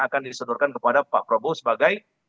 akan disodorkan kepada pak prabowo sebagai